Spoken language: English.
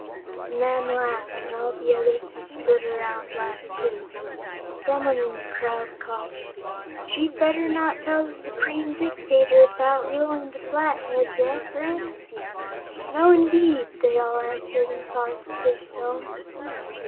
The man laughed, and all the others who stood around laughed, too. Some one in the crowd called: "She'd better not tell the Supreme Dictator about ruling the Flatheads. Eh, friends?" "No, indeed!" they all answered in positive tones.